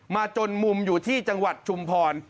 จนมุมอยู่ที่จังหวัดชุมพร